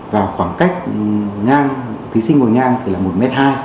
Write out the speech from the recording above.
và khoảng cách ngang thí sinh ngồi ngang thì là một m hai